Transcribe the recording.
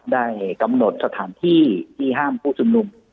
ได้กำหนดสถานที่ที่ห้ามผู้ชุมนุม